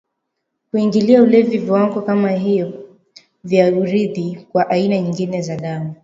kuingilia ulevi viwango kama hiyo vya urithi kwa aina nyingine za dawa